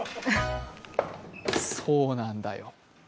そうなんだよ。